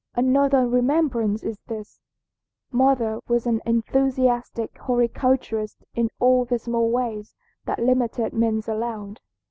"Another remembrance is this: mother was an enthusiastic horticulturist in all the small ways that limited means allowed.